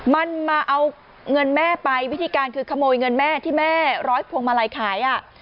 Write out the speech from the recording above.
มันมาเอาเงินแม่ไปวิธีการคือขโมยเงินแม่ที่แม่ร้อยพวงมาลัยขาย